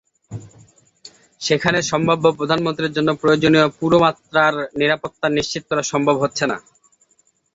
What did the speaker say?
সেখানে সম্ভাব্য প্রধানমন্ত্রীর জন্য প্রয়োজনীয় পুরোমাত্রার নিরাপত্তা নিশ্চিত করা সম্ভব হচ্ছে না।